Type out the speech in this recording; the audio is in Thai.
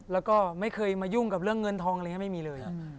แล้วก็ไม่เคยมายุ่งกับเรื่องเงินทองอะไรอย่างนี้ไม่มีเลย